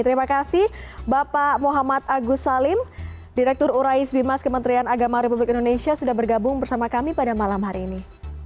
terima kasih bapak muhammad agus salim direktur urais bimas kementerian agama republik indonesia sudah bergabung bersama kami pada malam hari ini